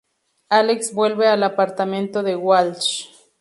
Alex vuelve al apartamento de Walsh.